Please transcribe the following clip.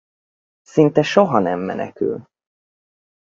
Szinte soha nem menekül.